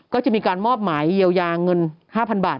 ก็จะมีการมอบหมายเยียวยาเงิน๕๐๐๐บาท